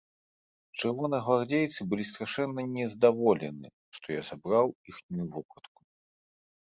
Чырвонагвардзейцы былі страшэнна нездаволены, што я забраў іхнюю вопратку.